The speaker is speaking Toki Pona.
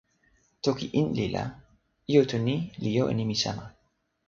toki Inli la ijo tu ni li jo e nimi sama.